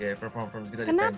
ya performance kita di pensy itu